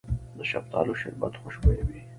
د شفتالو شربت خوشبويه وي.